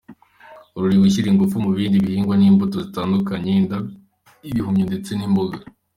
Ruri gushyira ingufu mu bindi bihingwa nk’imbuto zitandukanye, indabyo, ibihumyo ndetse n’Imboga.